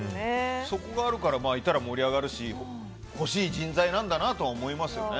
そこがあるからいたら盛り上がるし欲しい人材なんだなと思えますよね。